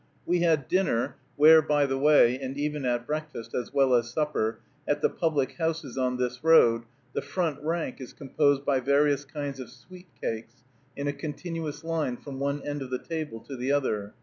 We had dinner, where, by the way, and even at breakfast, as well as supper, at the public houses on this road, the front rank is composed of various kinds of "sweet cakes," in a continuous line from one end of the table to the other.